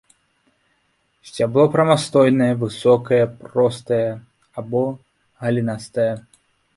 Сцябло прамастойнае, высокае, простае або галінастае.